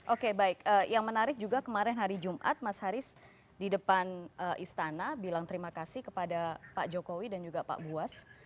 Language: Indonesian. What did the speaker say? oke baik yang menarik juga kemarin hari jumat mas haris di depan istana bilang terima kasih kepada pak jokowi dan juga pak buas